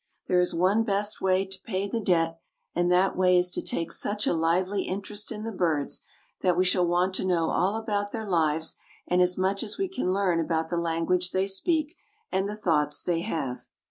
There is one best way to pay the debt, and that way is to take such a lively interest in the birds that we shall want to know all about their lives and as much as we can learn about the language they speak and the thoughts they have.